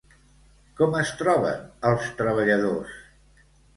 Com es troben els treballadors?